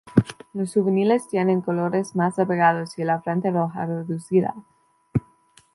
Los juveniles tienen colores más apagados y la frente roja reducida.